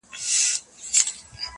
هره شېبه.